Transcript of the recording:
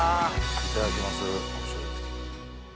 いただきます。